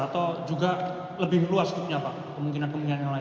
atau juga lebih luas kemungkinan kemungkinan yang lain